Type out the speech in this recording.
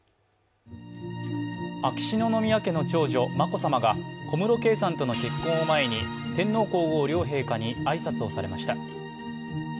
秋篠宮家の長女・眞子さまが小室圭さんとの結婚を前に天皇・皇后両陛下に挨拶をされました。